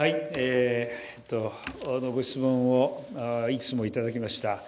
ご質問をいくつもいただきました。